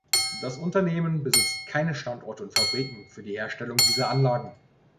Das Unternehmen besitzt keine Standorte und Fabriken für die Herstellung dieser Anlagen.